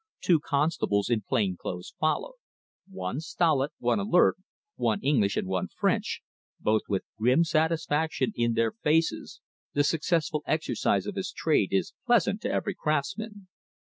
Two constables in plain clothes followed; one stolid, one alert, one English and one French, both with grim satisfaction in their faces the successful exercise of his trade is pleasant to every craftsman.